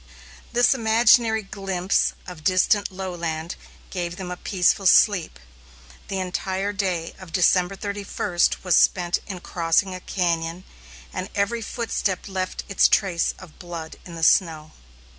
This imaginary glimpse of distant lowland gave them a peaceful sleep. The entire day of December 31 was spent in crossing a cañon, and every footstep left its trace of blood in the snow.